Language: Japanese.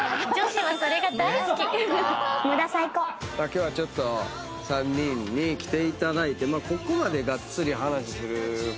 今日はちょっと３人に来ていただいてここまでがっつり話することも。